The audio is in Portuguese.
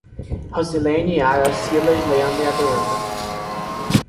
Rosilene, Yara, Silas, Leandro e Adriana